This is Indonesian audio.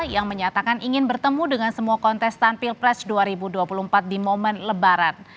yang menyatakan ingin bertemu dengan semua kontestan pilpres dua ribu dua puluh empat di momen lebaran